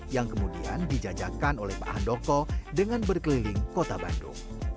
yang kemudian dijajakan oleh pak handoko dengan berkeliling kota bandung